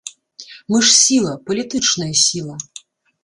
Мы ж сіла, палітычная сіла.